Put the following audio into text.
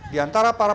di antara para peserta